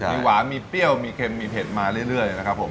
มีหวานมีเปรี้ยวมีเค็มมีเผ็ดมาเรื่อยนะครับผม